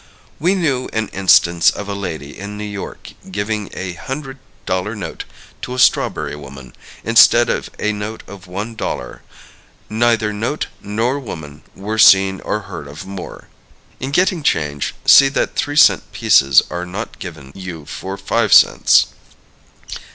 We knew an instance of a lady in New York giving a hundred dollar note to a strawberry woman, instead of a note of one dollar. Neither note nor woman were seen or heard of more. In getting change, see that three cent pieces are not given you for five cents.